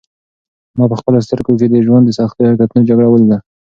ما په خپلو سترګو کې د ژوند د سختو حقیقتونو جګړه ولیده.